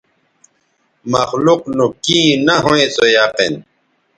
مخلوق نو کیں نہ ھویں سو یقین